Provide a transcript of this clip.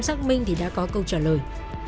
xác minh thì đã có câu trả lời